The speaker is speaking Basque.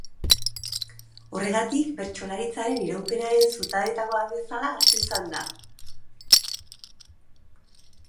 Horregatik, bertsolaritzaren iraupenaren zutabeetako bat bezala hartu izan da.